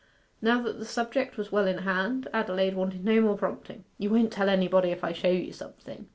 Now that the subject was well in hand, Adelaide wanted no more prompting. 'You won't tell anybody if I show you something?